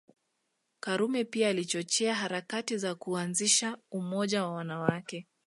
Karume pia alichochea harakati za kuanzisha umoja wa wanawake